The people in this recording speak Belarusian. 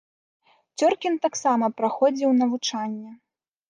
Цёркін таксама праходзіў навучанне.